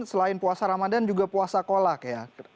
selain puasa ramadan juga puasa kolak ya